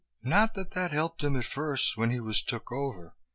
Not that that helped him at first, when he was took over.